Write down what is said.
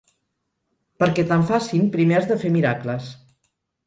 Perquè te'n facin, primer has de fer miracles.